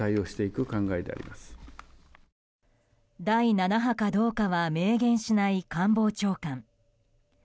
第７波かどうかは明言しない官房長官。